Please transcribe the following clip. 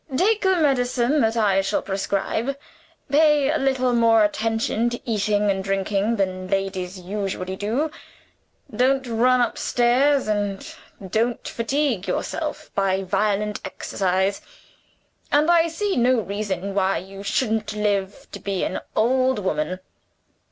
Take the medicine that I shall prescribe; pay a little more attention to eating and drinking than ladies usually do; don't run upstairs, and don't fatigue yourself by violent exercise and I see no reason why you shouldn't live to be an old woman."